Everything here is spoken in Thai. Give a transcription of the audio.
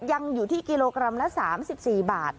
ยังอยู่ที่กิโลกรัมละ๓๔บาท